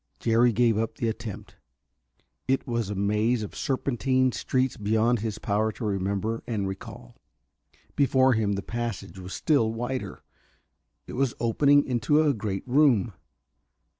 Jerry gave up the attempt. It was a maze of serpentine streets beyond his power to remember and recall. Before him the passage was still wider. It was opening into a great room....